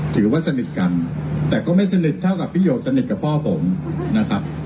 ถือว่าสนิทกันแต่ก็ไม่สนิทเท่ากับพี่หยกสนิทกับพ่อผมนะครับ